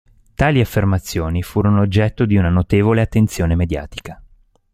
Tali affermazioni furono oggetto di una notevole attenzione mediatica.